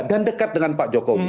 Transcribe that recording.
dan dekat dengan pak jokowi